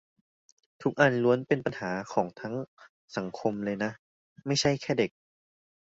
ทุกอันล้วนเป็นปัญหาของทั้งสังคมเลยนะ ไม่ใช่แค่เด็ก